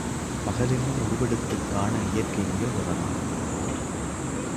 பகலென்னும் உருவெடுத்துக் காண இயற்கை முயல்கிறதா?